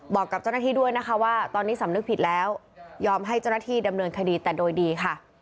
บอกกับเจ้าหน้าที่ด้วยนะคะว่าตอนนี้สำนึกผิดแล้วยอมให้เจ้าหน้าที่ดำเนินคดีแต่โดยดีค่ะ